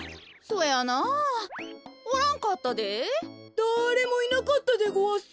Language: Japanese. だれもいなかったでごわす。